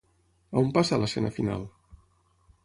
On passa l'escena final?